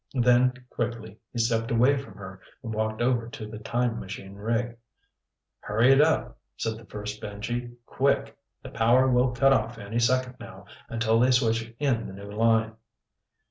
Then, quickly, he stepped away from her and walked over to the time machine rig. "Hurry it up," said the first Benji, "quick. The power will cut off any second now, until they switch in the new line."